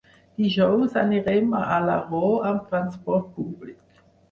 Dijous anirem a Alaró amb transport públic.